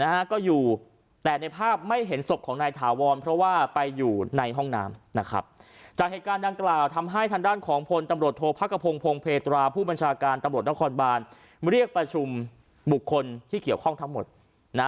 นะฮะก็อยู่แต่ในภาพไม่เห็นศพของนายถาวรเพราะว่าไปอยู่ในห้องน้ำนะครับจากเหตุการณ์ดังกล่าวทำให้ทางด้านของพลตำรวจโทษพระกระพงพงเพตราผู้บัญชาการตำรวจนครบานเรียกประชุมบุคคลที่เกี่ยวข้องทั้งหมดนะ